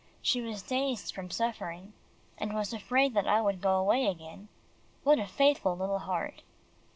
She was dazed from suffering, and was afraid that I would go away again. What a faithful little heart!